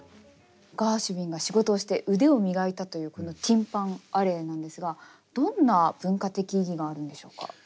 ガーシュウィンが仕事をして腕を磨いたというこのティン・パン・アレーなんですがどんな文化的意義があるんでしょうか？